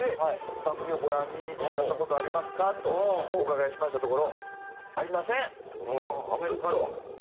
「番組をご覧になった事ありますか？」とお伺いしましたところ。